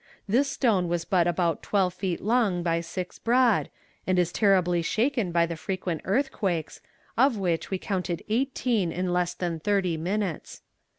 This stone was but about twelve feet long by six broad, and is terribly shaken by the frequent earthquakes, of which we counted eighteen in less than thirty minutes.